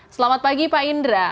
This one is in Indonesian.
selamat pagi pak indra